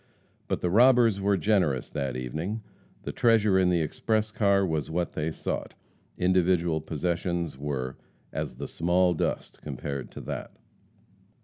But the robbers were generous that evening. The treasure in the express car was what they sought. Individual possessions were as "the small dust" compared to that.